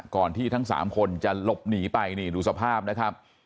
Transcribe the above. ที่ทั้ง๓คนจะหลบหนีไปนี่ดูสภาพนะครับ